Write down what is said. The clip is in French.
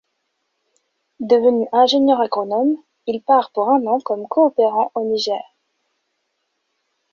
Devenu ingénieur agronome, il part pour un an comme coopérant au Niger.